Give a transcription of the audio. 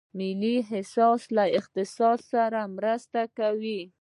د ملي احساس له اقتصاد سره مرسته کوي؟